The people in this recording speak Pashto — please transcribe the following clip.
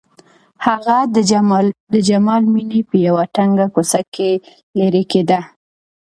هغه د جمال مېنې په يوه تنګه کوڅه کې لېرې کېده.